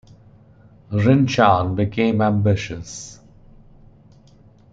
Rinchan became ambitious.